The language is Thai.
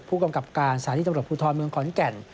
ผู้กำกับการสถานีตำรวจภูทรเมืองขอนแก่น